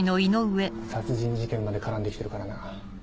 殺人事件まで絡んで来てるからな。